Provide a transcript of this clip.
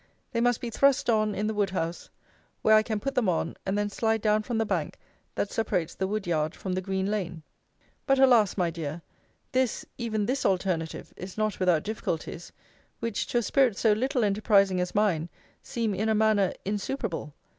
They must be thrust on in the wood house; where I can put them on; and then slide down from the bank, that separates the wood yard from the green lane. But, alas! my dear, this, even this alternative, is not without difficulties, which, to a spirit so little enterprising as mine, seem in a manner insuperable.